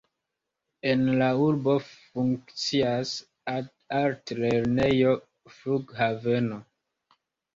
En la urbo funkcias altlernejo, flughaveno.